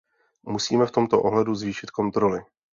Musíme v tomto ohledu zvýšit kontroly.